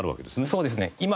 そうですね。